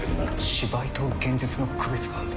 芝居と現実の区別がつかない！